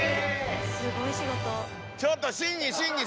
すごい仕事。